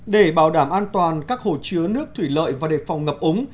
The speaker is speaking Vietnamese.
để bảo đảm an toàn các hồ chứa nước thủy lợi và đề phòng ngập úng